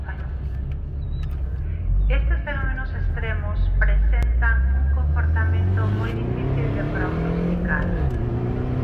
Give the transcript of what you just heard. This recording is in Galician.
Estes fenómenos extremos presentan un comportamento moi difícil de prognosticar.